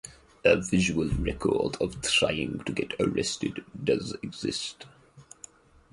A visual record of "Trying to Get Arrested" does exist.